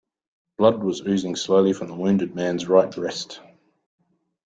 Blood was oozing slowly from the wounded man's right breast.